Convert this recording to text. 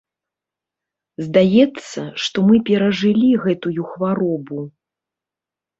Здаецца, што мы перажылі гэтую хваробу.